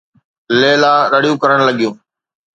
ليلا رڙيون ڪرڻ لڳيون.